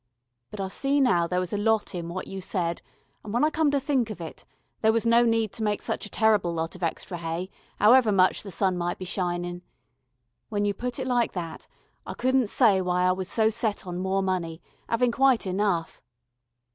But I see now there was a lot in what you said, and when I come to think of it, there was no need to make such a terrible lot of extra hay, 'owever much the sun might be shinin'. When you put it like that, I couldn't say why I was so set on more money, 'aving quite enough.